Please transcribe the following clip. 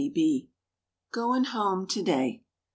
GOIN' HOME TO DAY.